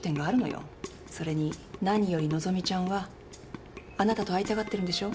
それに何より和希ちゃんはあなたと会いたがってるんでしょ？